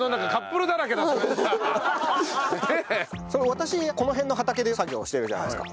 私この辺の畑で作業してるじゃないですか。